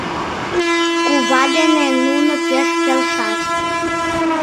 Кува дене нуно пеш келшат.